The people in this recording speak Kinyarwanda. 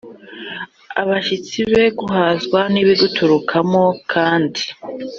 Abashyitsi be guhazwa n ibiguturukamo Kandi